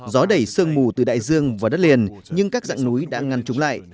gió đẩy sương mù từ đại dương vào đất liền nhưng các dạng núi đã ngăn chúng lại